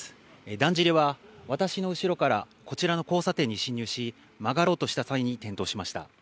だんじりは私の後ろからこちらの交差点に進入し曲がろうとした際に転倒しました。